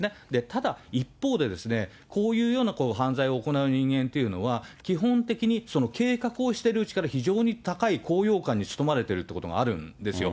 ただ、一方で、こういうような犯罪を行う人間というのは、基本的に計画をしてるうちから非常に高い高揚感に包まれているというようなことがあるんですね。